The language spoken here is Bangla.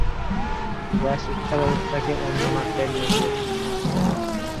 যা শিক্ষা ব্যবস্থাকে অন্য মাত্রায় নিয়ে গিয়েছে।